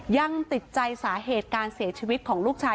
ยังติดใจสาเหตุการเสียชีวิตของลูกชาย